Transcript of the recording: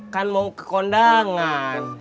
kan mau ke kondangan